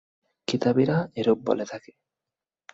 কিতাবীরা এরূপ বলে থাকে।